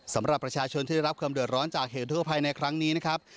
สำหรับประชาชนที่ได้รับความเดือดร้อนจากเหตุทั่วภัยในครั้งนี้นะครับ